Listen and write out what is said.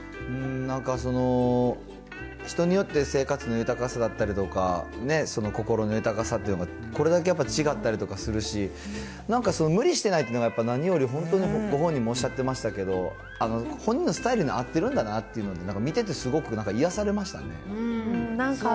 なんか、人によって生活の豊かさだったりとか、その心の豊かさっていうのは、これだけやっぱ違ったりとかするし、なんか無理してないっていうのが、やっぱり何より、本当にご本人もおっしゃってましたけど、本人のスタイルに合ってるんだなっていうので、なんか見ててすごく癒やされましたね。